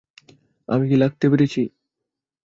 আমি কি লাগাতে পেরেছি?